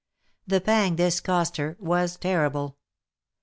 The pang this cost her was terrible.